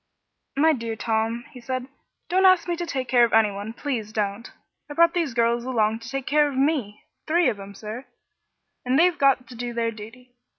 "My dear Tom," he said, "don't ask me to take care of anyone please don't! I brought these girls along to take care of me three of 'em, sir and they've got to do their duty.